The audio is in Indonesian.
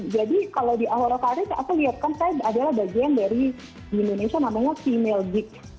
jadi kalau di awal karir aku lihat kan saya adalah bagian dari di indonesia namanya female geek